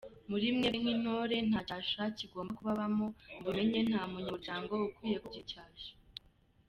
Muri mwebwe nk’intore nta cyasha kigomba kubabamo, mubimenye nta munyamuryango ukwiye kugira icyasha.